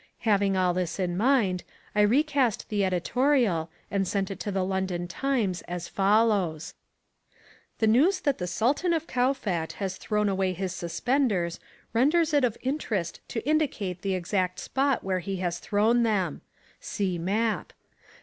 Having all this in mind, I recast the editorial and sent it to the London Times as follows: "The news that the Sultan of Kowfat has thrown away his suspenders renders it of interest to indicate the exact spot where he has thrown them. (See map).